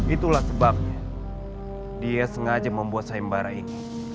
itulah sebabnya dia sengaja membuat sayem barah ini